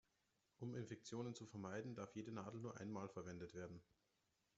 Um Infektionen zu vermeiden, darf jede Nadel nur einmal verwendet werden.